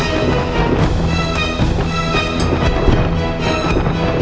saya datang ingin memperbaiki diskusi yang tamat